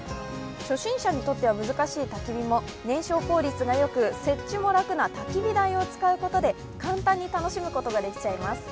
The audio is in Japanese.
初心者にとっては難しいたき火も、燃焼効率がよく、設置も楽なたき火台を使うことで簡単に楽しむことができちゃいます。